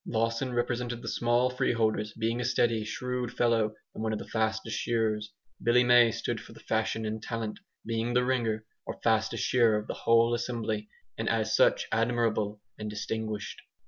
Lawson represented the small free holders, being a steady, shrewd fellow, and one of the fastest shearers. Billy May stood for the fashion and "talent," being the "Ringer," or fastest shearer of the whole assembly, and as such truly admirable and distinguished.